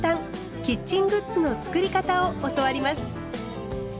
キッチングッズの作り方を教わります。